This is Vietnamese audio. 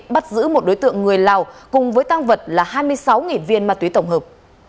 bắt giữ một đối tượng người lào cùng với tăng vật là hai mươi sáu viên ma túy tổng hợp